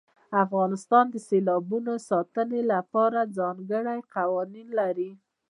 افغانستان د سیلابونو د ساتنې لپاره ځانګړي قوانین لري.